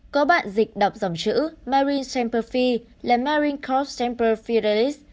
có bạn dịch đọc dòng chữ marine semper fi là marine corp semper fidelis